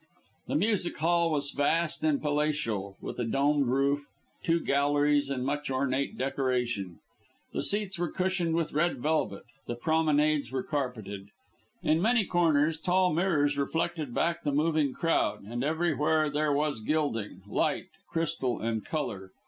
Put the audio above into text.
The music hall was vast and palatial, with a domed roof, two galleries, and much ornate decoration. The seats were cushioned with red velvet, the promenades were carpeted. In many corners tall mirrors reflected back the moving crowd, and everywhere there was gilding, light, crystal and colour.